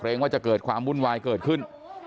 ว่าจะเกิดความวุ่นวายเกิดขึ้น